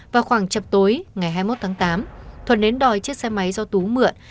vào khoảng chập tối ngày hai mươi một tháng tám thuận đến đòi chiếc xe máy do tú mượn